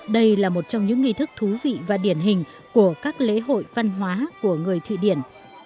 đây là một trong những nghi thức thú vị và điển hình của các lễ hội văn hóa của người thụy điển